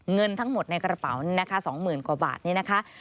เงินทั้งหมดในกระเป๋านะคะ๒๐๐๐กว่าบาทนี้นะคะ